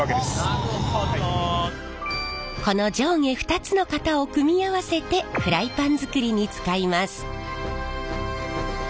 この上下２つの型を組み合わせてフライパン作りに使います。